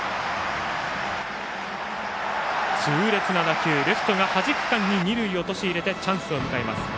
痛烈な打球、レフトがはじく間に二塁を落としいれてチャンスを迎えます。